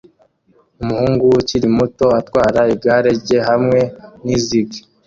Umuhungu ukiri muto atwara igare rye hamwe nizig